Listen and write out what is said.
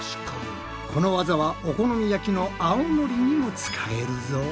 この技はお好み焼きのあおのりにも使えるぞ。